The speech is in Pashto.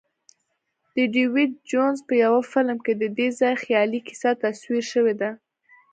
د ډیویډ جونز په یوه فلم کې ددې ځای خیالي کیسه تصویر شوې ده.